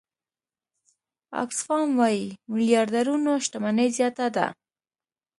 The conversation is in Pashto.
آکسفام وايي میلیاردرانو شتمني زیاته ده.